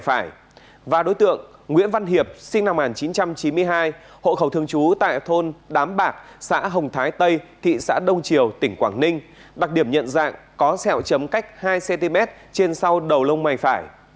tháng chín năm hai nghìn hai mươi hai hộ khẩu thương chú tại thôn đám bạc xã hồng thái tây thị xã đông triều tỉnh quảng ninh đặt điểm nhận dạng có sẹo chấm cách hai cm trên sau đầu lông mày phải